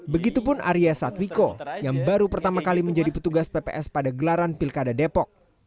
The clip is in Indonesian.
begitupun arya satwiko yang baru pertama kali menjadi petugas pps pada gelaran pilkada depok